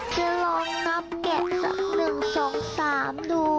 จะลองนับแกะสัก๑๒๓ดู